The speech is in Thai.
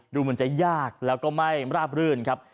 ดูเหมือนจะยากแล้วก็ไม่ราบรื่นครับ